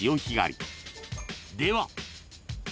［では］